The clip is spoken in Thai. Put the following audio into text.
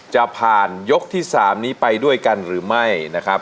จะผ่านยกที่๓นี้ไปด้วยกันหรือไม่นะครับ